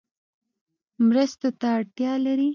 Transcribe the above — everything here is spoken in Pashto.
مرستو ته اړتیا لري